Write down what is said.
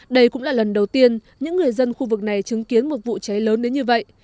đây cũng là lần đầu tiên những người dân khu vực này chứng kiến một vụ cháy lớn đến như vậy